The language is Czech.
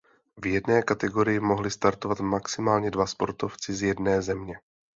V jedné kategorie mohli startovat maximálně dva sportovci z jedné země.